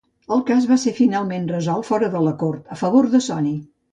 El cas va ser finalment resolt fora de la cort a favor de Sony.